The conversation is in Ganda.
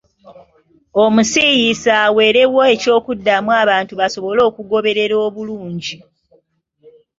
Omusiiyiisi aweerewo ekyokuddamu abantu basobole okugoberera obulungi.